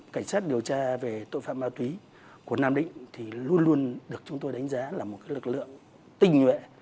cảnh sát điều tra về tội phạm ma túy của nam định thì luôn luôn được chúng tôi đánh giá là một lực lượng tình nguyện